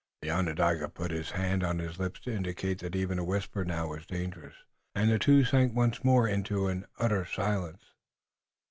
The Onondaga put his hand on his lips to indicate that even a whisper now was dangerous, and the two sank once more into an utter silence.